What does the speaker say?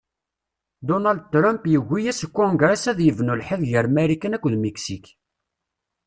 Dunald Trump yugi-as kungres ad yebnu lḥiḍ ger Marikan akked Miksik.